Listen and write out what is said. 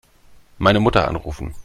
Meine Mutter anrufen.